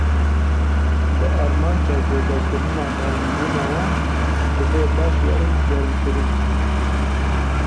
Bi armanca zêdekirina nermbûna wan, divê baş werin germkirin.